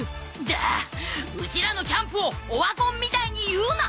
だあうちらのキャンプを「オワコン」みたいに言うな！